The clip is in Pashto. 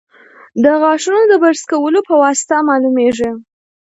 د غاښونو د برس کولو په واسطه معلومېږي.